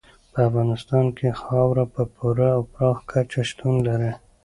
په افغانستان کې خاوره په پوره او پراخه کچه شتون لري.